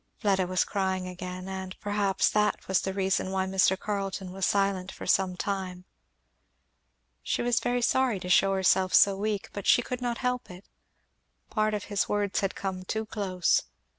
Fleda was crying again, and perhaps that was the reason why Mr. Carleton was silent for some time. She was very sorry to shew herself so weak, but she could not help it; part of his words had come too close.